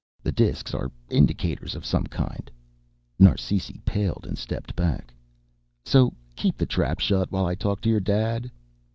The disks are indicators of some kind." Narsisi paled and stepped back. "So keep the trap shut while I talk to your dad."